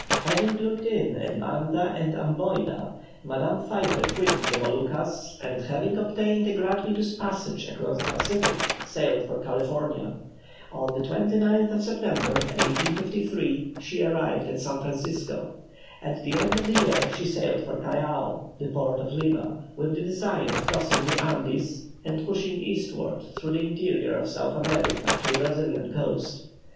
Having "looked in" at Banda and Amboyna, Madame Pfeiffer quitted the Moluccas, and having obtained a gratuitous passage across the Pacific, sailed for California. On the 29th of September, 1853, she arrived at San Francisco. At the end of the year she sailed for Callao, the port of Lima, with the design of crossing the Andes, and pushing eastward, through the interior of South America, to the Brazilian coast.